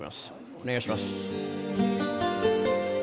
お願いします。